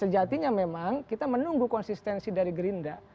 sejatinya memang kita menunggu konsistensi dari gerindra